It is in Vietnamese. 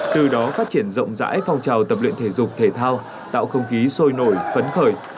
từ đó phát triển rộng rãi phong trào tập luyện thể dục thể thao tạo không khí sôi nổi phấn khởi